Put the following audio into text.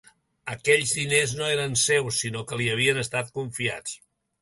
Aquells diners no eren seus sinó que se li havien estat confiats.